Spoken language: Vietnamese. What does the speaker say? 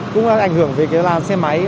cũng ảnh hưởng về các loại hình phương án